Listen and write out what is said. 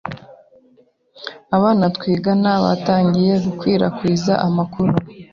abana twiganaga batangiye gukwirakwiza amakuru